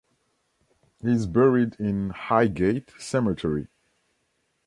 He is buried in Highgate Cemetery.